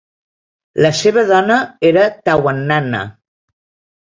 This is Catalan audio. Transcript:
La seva dona era Tawannanna.